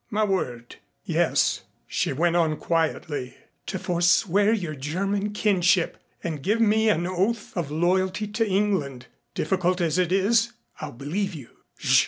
"My word ?" "Yes," she went on quietly. "To forswear your German kinship and give me an oath of loyalty to England. Difficult as it is, I'll believe you."